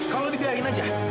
kalau dibiarkan aja